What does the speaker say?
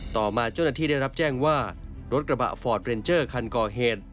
ต่อมาเจ้าหน้าที่ได้รับแจ้งว่ารถกระบะฟอร์ดเรนเจอร์คันก่อเหตุ